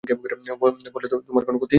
বললে তোমার কোনো ক্ষতি হত না।